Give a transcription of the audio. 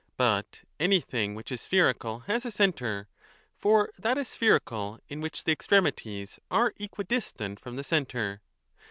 But anything which is spherical has a centre ; for that is spherical in which the extremities are equidistant from the centre.